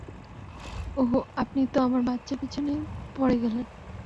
ওহু, আপনি তো আমার বাচ্চার পিছনেই পরে গেলেন!